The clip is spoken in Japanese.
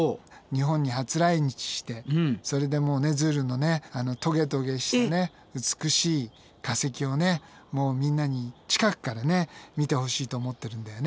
日本に初来日してそれでもうねズールのねトゲトゲした美しい化石をもうみんなに近くから見てほしいと思ってるんだよね。